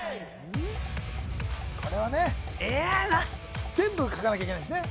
これはね全部書かなきゃいけないんですね